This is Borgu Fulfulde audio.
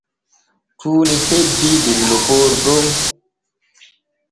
Tuuni hebbii der lokooru ɗon.